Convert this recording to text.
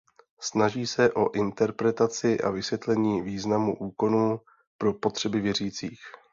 Snaží se o interpretaci a vysvětlení významu úkonů pro potřeby věřících.